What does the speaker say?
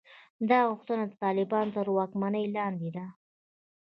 دا غوښتنه د طالبانو تر واکمنۍ لاندې ده.